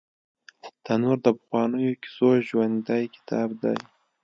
تنور د پخوانیو کیسو ژوندي کتاب دی